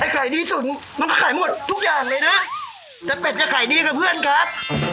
ไอ้ไก่ดีตุ๋นมันก็ขายหมดทุกอย่างเลยนะแต่เป็ดกับไก่ดีกับเพื่อนครับ